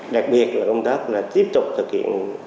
đặc biệt là công tác là tiếp tục thực hiện